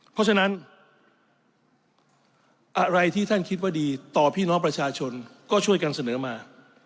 เพราะฉะนั้นอะไรที่ท่านคิดว่าดีต่อพี่น้องประชาชนก็ช่วยกันเสนอมา